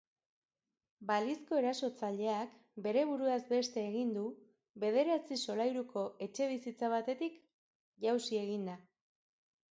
Balizko erasotzaileak bere buruaz beste egin du bederatzi solairuko etxebizitza batetik jausi eginda.